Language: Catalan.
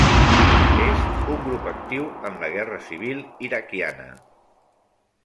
És un grup actiu en la Guerra Civil iraquiana.